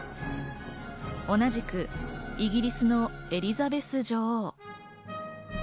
同じくイギリスのエリザベス女王。